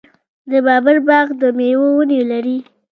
د بابر باغ د میوو ونې لري.